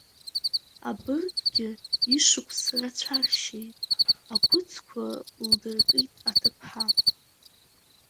Абырггьы ишықәс рацәаршьеит, ақәыцқәа лдыркит аҭыԥҳа.